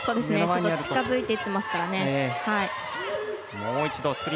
ちょっと近づいてきますからね。